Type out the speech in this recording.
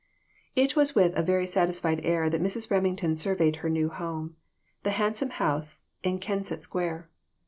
IT WAS with a very satisfied air that Mrs. Remington surveyed her new home the handsome house in Kensett Square.